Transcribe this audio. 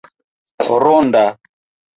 ronda